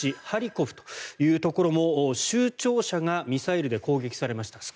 ハリコフというところも州庁舎がミサイルで攻撃されました。